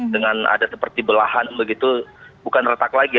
dengan ada seperti belahan begitu bukan retak lagi